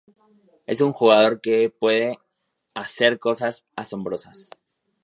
Es un jugador que puede hacer cosas asombrosas".